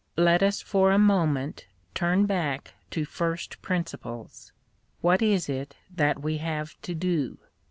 Let us for a moment turn back to first principles. What is it that we have to do